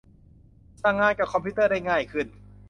สั่งงานกับคอมพิวเตอร์ได้ง่ายขึ้น